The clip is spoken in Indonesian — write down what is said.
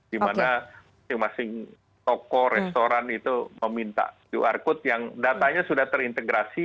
dimana masing masing toko restoran itu meminta qr code yang datanya sudah terintegrasi